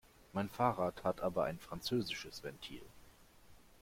Mein Fahrrad hat aber ein französisches Ventil.